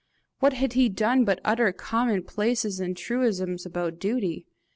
What had he done but utter common places and truisms about duty?